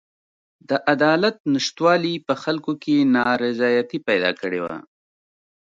د عدالت نشتوالي په خلکو کې نارضایتي پیدا کړې وه.